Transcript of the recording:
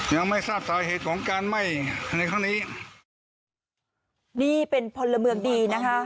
ยังไม่ทราบสาเหตุของการไหม้ในครั้งนี้นี่เป็นพลเมืองดีนะคะ